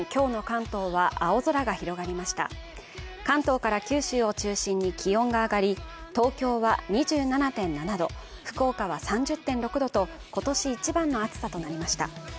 関東から九州を中心に気温が上がり、東京は２７．７度、福岡は３０．６度と今年一番の暑さとなりました。